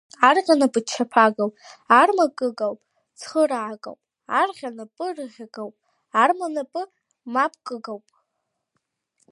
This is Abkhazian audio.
Арӷьа напы чаԥагауп, арма кыгауп, цхыраагауп, арӷьа напы рыӷьагауп, арма напы мап кыгауп.